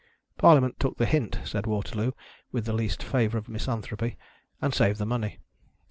Parliament took the hint (said Waterloo, with the least flavor of mis anthropy), and saved the money.